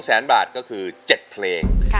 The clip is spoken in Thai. แสนบาทก็คือ๗เพลง